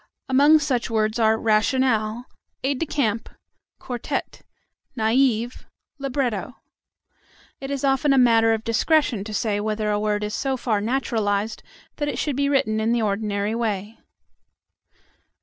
Among such words are: rationale, aide de camp, quartette, naïve, libretto. It is often a matter of discretion to say whether a word is so far naturalized that it should be written in the ordinary way.